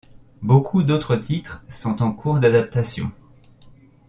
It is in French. Beaucoup d'autres titres sont en cours d'adaptation.